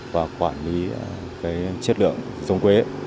và quản lý chất lượng giống quế